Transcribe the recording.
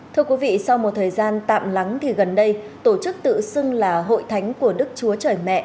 thưa quý vị sau một thời gian tạm lắng thì gần đây tổ chức tự xưng là hội thánh của đức chúa trời mẹ